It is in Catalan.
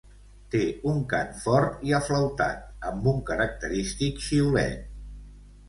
Té un cant fort i aflautat, amb un característic xiulet.